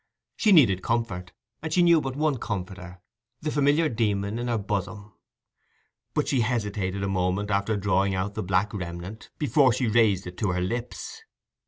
She needed comfort, and she knew but one comforter—the familiar demon in her bosom; but she hesitated a moment, after drawing out the black remnant, before she raised it to her lips.